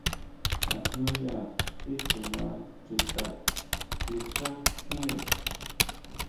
Tajñuya titsuma chuta xi xá tjíre.